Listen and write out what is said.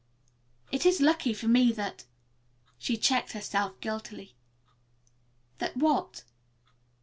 It is lucky for me that " She checked herself guiltily. "That what?"